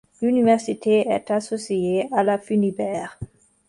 L'université est associée à la Funiber.